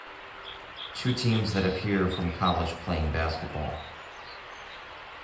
Two teams that appear from college playing basketball.